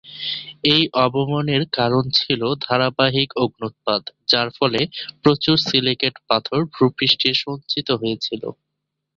এই অবনমনের কারণ ছিল ধারাবাহিক অগ্ন্যুৎপাত, যার ফলে প্রচুর সিলিকেট পাথর ভূপৃষ্ঠে সঞ্চিত হয়েছিল।